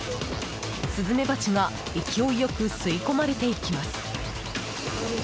スズメバチが勢いよく吸い込まれていきます。